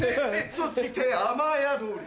そして雨宿り。